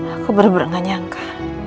aku benar benar nggak nyangka